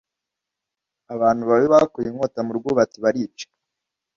abantu babi bakuye inkota murwubati barica